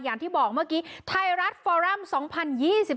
อย่างที่บอกเมื่อกี้ไทยรัฐฟอรัม๒๐๒๒